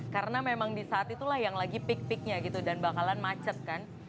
karena memang di saat itulah yang lagi peak peaknya gitu dan bakalan macet kan